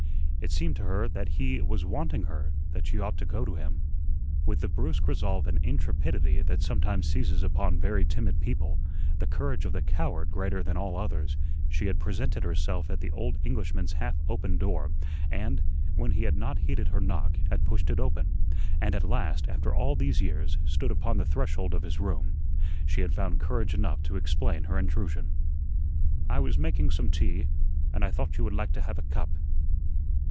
It seemed to her that he was wanting her, that she ought to go to him. With the brusque resolve and intrepidity that sometimes seizes upon very timid people the courage of the coward greater than all others she had presented herself at the old Englishman's half open door, and, when he had not heeded her knock, had pushed it open, and at last, after all these years, stood upon the threshold of his room. She had found courage enough to explain her intrusion. "I was making some tea, and I thought you would like to have a cup."